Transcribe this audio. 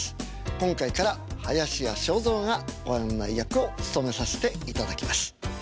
今回から林家正蔵がご案内役を務めさせていただきます。